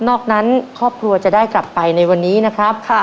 อกนั้นครอบครัวจะได้กลับไปในวันนี้นะครับ